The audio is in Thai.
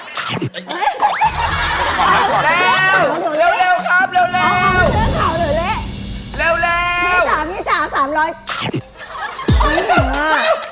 พี่สิ่งอ่ะ